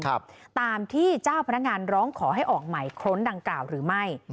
ตามที่เจ้าพนักงานร้องขอให้ออกหมายค้นดังกล่าวหรือไม่